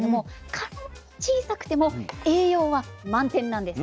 体が小さくても栄養は満点なんです。